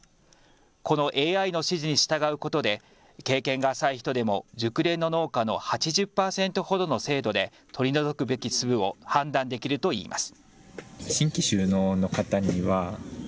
このＡＩの指示に従うことで経験が浅い人でも熟練の農家の８０％ほどの精度で取り除くべき粒を判断できるといいます。